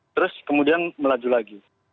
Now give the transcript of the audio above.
terus kemudian melaju lagi